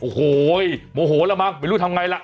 โอ้โหโมโหแล้วมั้งไม่รู้ทำไงล่ะ